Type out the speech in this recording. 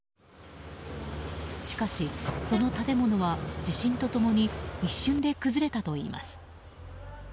しかし、その建物は地震と共に一瞬で崩れたといいます。